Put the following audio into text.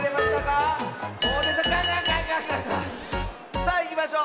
さあいきましょう。